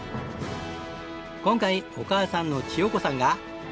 今回お母さんの千代子さんが。